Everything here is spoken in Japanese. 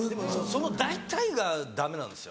その「大体」がダメなんですよ。